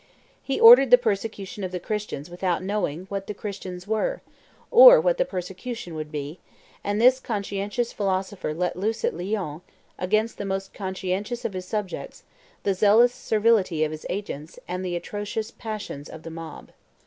He ordered the persecution of the Christians without knowing what the Christians were, or what the persecution would be, and this conscientious philosopher let loose at Lyons, against the most conscientious of subjects, the zealous servility of his agents, and the atrocious passions of the mob.